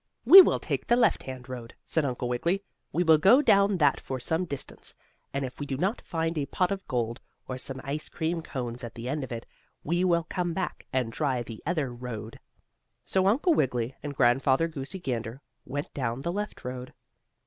"We will take the left hand road," said Uncle Wiggily. "We will go down that for some distance, and if we do not find a pot of gold, or some ice cream cones at the end of it, we will come back, and try the other road." So Uncle Wiggily and Grandfather Goosey Gander went down the left road.